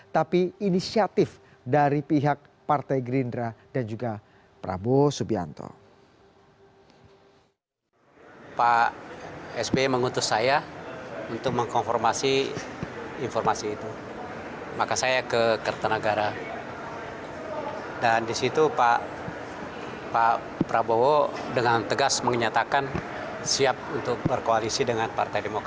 tapi inisiatif dari pihak partai gerindra dan juga prabowo subianto